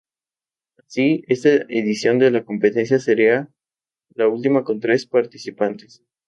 Así, esta edición de la competencia sería la última con tres participantes.